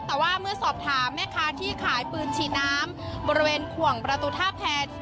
แต่ว่าเมื่อสอบถามแม่ค้าที่ขายปืนฉีดน้ำบริเวณขวงประตูท่าแพน